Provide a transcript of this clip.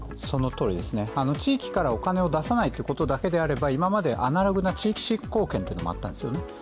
そのとおりですね、地域からお金を出さないということであれば今までアナログな地域振興券というのもあったんですよね。